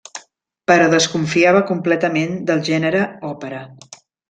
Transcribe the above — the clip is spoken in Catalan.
Però desconfiava completament del gènere òpera.